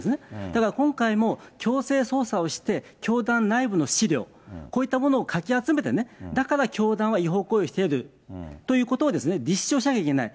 だから今回も強制捜査をして、教団内部の資料、こういったものをかき集めて、だから教団は違法行為をしているということを立証しなきゃいけない。